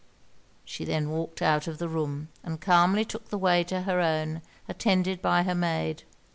She then walked out of the room, and calmly took the way to her own, attended by her maid.